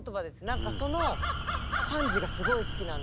何かその感じがすごい好きなんですよね。